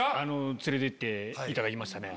連れてっていただきましたね。